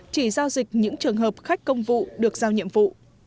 chỉ giao dịch những trường hợp khách công vụ được giao nhiệm vụ